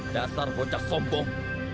dasar bocah sombong